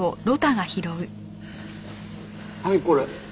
はいこれ。